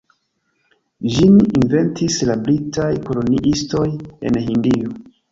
Ĝin inventis la britaj koloniistoj en Hindio.